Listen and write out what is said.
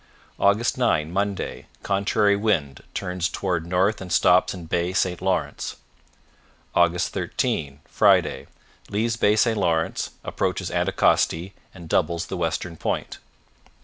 " 9 Monday Contrary wind; turns toward north and stops in Bay St Lawrence. " 13 Friday Leaves Bay St Lawrence, approaches Anticosti, and doubles the western point.